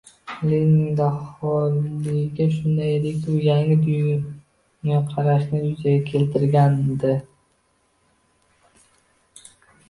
Leninning daholigi shunda ediki, u yangi dunyoqarashni yuzaga keltirgandi.